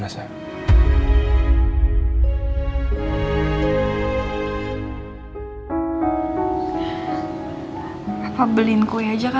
polisi bisa ngelacak beradaan kita dimana soha